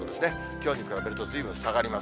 きょうに比べるとずいぶん下がります。